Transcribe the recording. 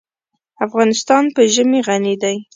افغانستان په ژمی غني دی.